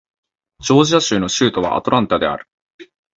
ジョージア州の州都はアトランタである